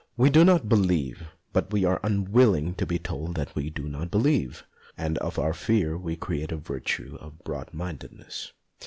We do not believe, but we are unwilling to be told that we do not believe. And of our fear we create a virtue of broad mindedness.